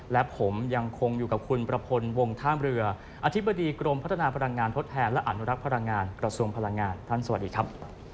และผมยังคงอยู่กับคุณประพลวงท่ามเรืออธิบดีกรมพัฒนาพลังงานทดแทนและอนุรักษ์พลังงานกระทรวงพลังงานท่านสวัสดีครับ